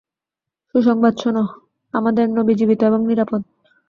সুসংবাদ শোন, আমাদের নবী জীবিত এবং নিরাপদ।